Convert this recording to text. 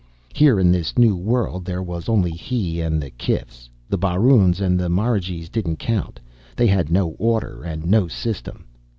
Here in this new world, there was only he and the kifs. The baroons and the marigees didn't count. They had no order and no system.